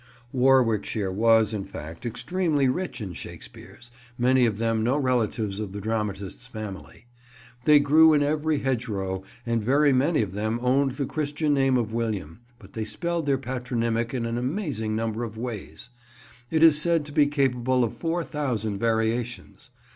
Warwickshire was, in fact, extremely rich in Shakespeares, many of them no relatives of the dramatist's family. They grew in every hedgerow, and very many of them owned the Christian name of William, but they spelled their patronymic in an amazing number of ways. It is said to be capable of four thousand variations.